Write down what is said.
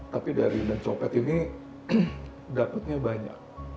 tapi dari dan copet ini dapatnya banyak